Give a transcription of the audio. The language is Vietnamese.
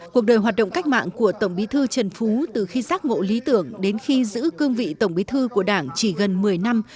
cuộc đời hoạt động cách mạng của tổng bí thư trần phú từ khi giác ngộ lý tưởng đến khi giữ cương vị tổng bí thư của đảng chỉ gần một mươi năm